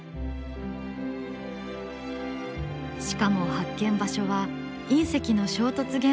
しかも発見場所は隕石の衝突現場に程近い北半球。